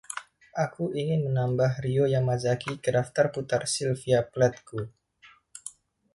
Aku ingin menambah Ryō Yamazaki ke daftar putar Sylvia Plath-ku.